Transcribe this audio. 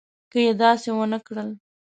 که یې داسې ونه کړل.